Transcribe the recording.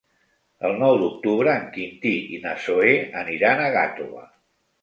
El nou d'octubre en Quintí i na Zoè aniran a Gàtova.